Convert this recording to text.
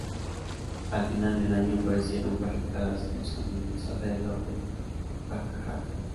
Al final del año, aparecieron barricadas en los caminos alrededor de Pakrac.